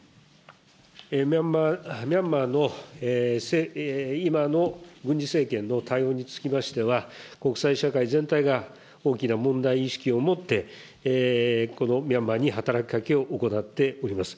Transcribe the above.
ミャンマーの今の軍事政権の対応につきましては、国際社会全体が大きな問題意識を持って、このミャンマーに働きかけを行っております。